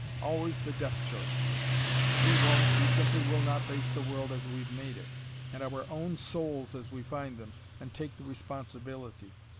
Always the death choice And we won't, we simply will not face the world as we've made it, and our own souls as we find them, and take the responsibility.